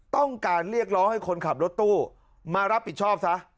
ต้องการเรียกร้องให้คนขับรถตู้มารับผิดชอบซะ